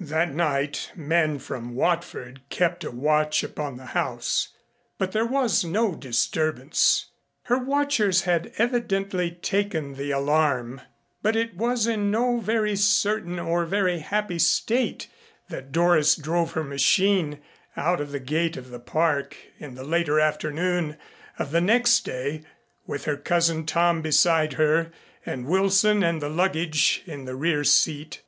That night men from Watford kept a watch upon the house, but there was no disturbance. Her watchers had evidently taken the alarm. But it was in no very certain or very happy state that Doris drove her machine out of the gate of the Park in the later afternoon of the next day with her cousin Tom beside her and Wilson and the luggage in the rear seat.